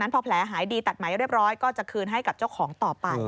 พอแผลหายดีตัดไหมเรียบร้อยก็จะคืนให้กับเจ้าของต่อไป